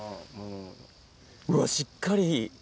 うわしっかり！